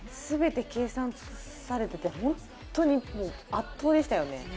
全て計算されていて、本当に圧倒でしたよね。